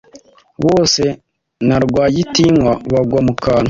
Bose na rwagitinywa bagwa mukantu